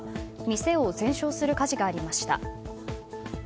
店を全焼する火事がありました。